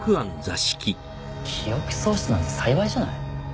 記憶喪失なんて幸いじゃない。